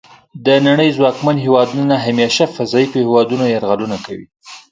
د نړۍ ځواکمن هیوادونه همیشه په ضعیفو هیوادونو یرغلونه کوي